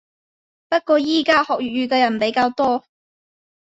不過依家學粵語嘅人比較多